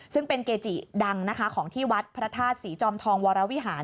ซึ่งเป็นเกจิดังนะคะของที่วัดพระธาตุศรีจอมทองวรวิหาร